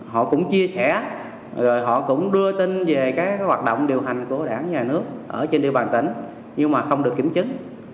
họ cũng chia sẻ họ cũng đưa tin về các hoạt động điều hành của đảng nhà nước ở trên địa bàn tỉnh nhưng mà không được kiểm chứng